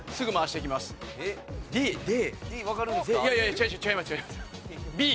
いやいや違います。